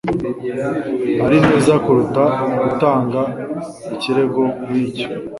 Azi neza kuruta gutanga ikirego nkicyo.